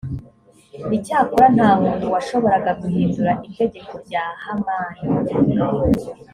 icyakora nta muntu washoboraga guhindura itegeko rya hamani